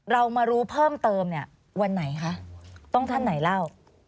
เรามารู้เพิ่มเติมเนี่ยวันไหนคะต้องท่านไหนเล่า